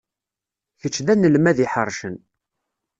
Kečč d anelmad iḥercen.